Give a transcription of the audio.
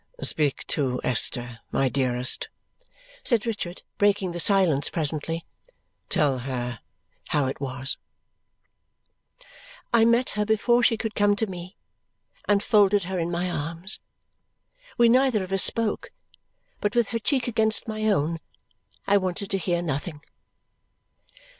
"Speak to Esther, my dearest," said Richard, breaking the silence presently. "Tell her how it was." I met her before she could come to me and folded her in my arms. We neither of us spoke, but with her cheek against my own I wanted to hear nothing.